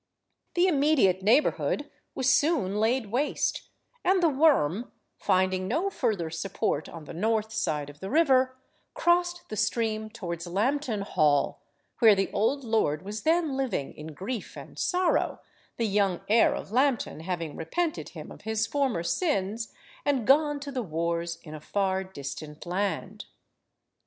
The immediate neighbourhood was soon laid waste, and the worm, finding no further support on the north side of the river, crossed the stream towards Lambton Hall, where the old lord was then living in grief and sorrow, the young heir of Lambton having repented him of his former sins, and gone to the wars in a far distant land.